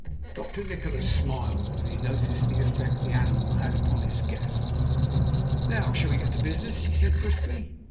Dr. Nikola smiled as he noticed the effect the animal had upon his guests. "Now shall we get to business?" he said briskly.